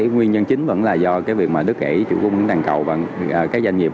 nguyên nhân chính vẫn là do cái việc mà đức ảy chủ cung tăng cầu và các doanh nghiệp